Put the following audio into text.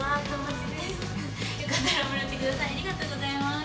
ありがとうございます！